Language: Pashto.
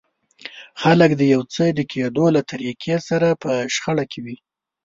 خلک د يو څه د کېدو له طريقې سره په شخړه کې وي.